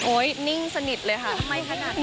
โอ้ยนิ่งสนิทเลยค่ะ